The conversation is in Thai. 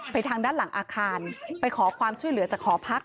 ทางด้านหลังอาคารไปขอความช่วยเหลือจากหอพัก